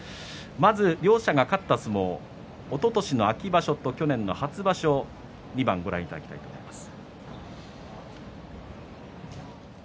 まず両者が勝った相撲おととしの秋場所と去年の初場所２番ご覧いただきます。